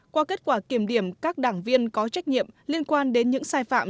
qua kết quả kiểm điểm các đảng viên có trách nhiệm liên quan đến những sai phạm